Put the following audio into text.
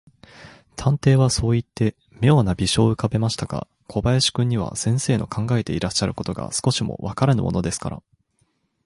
探偵はそういって、みょうな微笑をうかべましたが、小林君には、先生の考えていらっしゃることが、少しもわからぬものですから、